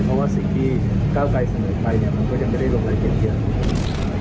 เพราะว่าสิ่งที่ก้าวไกลเสนอไปมันก็จะไม่ได้ลงรายเกียรติเหยียด